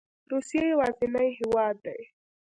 روسیه یوازینی هیواد دی